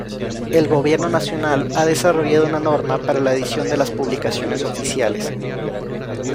El gobierno nacional ha desarrollado una norma para la edición de las publicaciones oficiales.